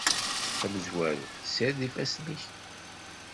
Tamezwarut, ssired ifassen-nnek.